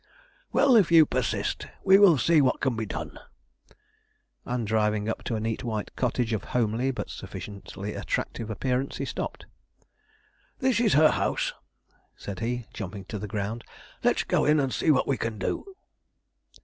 "Well, if you persist, we will see what can be done." And driving up to a neat white cottage of homely, but sufficiently attractive appearance, he stopped. "This is her house," said he, jumping to the ground; "let's go in and see what we can do."